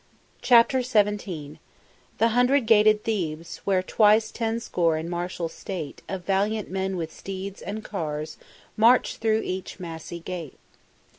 CHAPTER XVII "The hundred gated Thebes, where twice ten score in martial state Of valiant men with steeds and cars march through each massy gate."